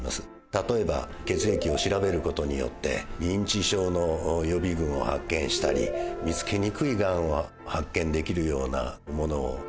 例えば血液を調べる事によって認知症の予備軍を発見したり見つけにくいがんを発見できるようなものを推進したり。